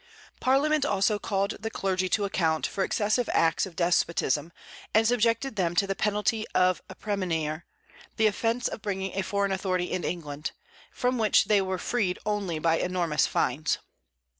Parliament also called the clergy to account for excessive acts of despotism, and subjected them to the penalty of a premunire (the offence of bringing a foreign authority into England), from which they were freed only by enormous fines.